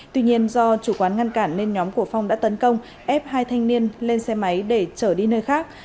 tuy nhiên do chủ quán ngăn cản nên nhóm của phong đã tấn công ép hai thanh niên lên xe máy để trở đi nơi khác